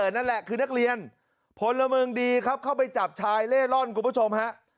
นั่นแหละคือนักเรียนพลเมืองดีครับเข้าไปจับชายเล่ร่อนคุณผู้ชมฮะ